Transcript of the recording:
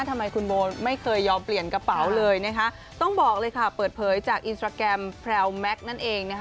ทำไมไม่เคยยอมเปลี่ยนกระเป๋าเลยต้องบอกเลยเปิดเผยจากนั่นเอง